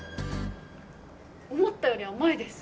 思ったより甘いです。